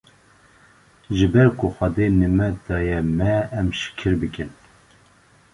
ji ber ku Xwedê nîmet daye me em şikir bikin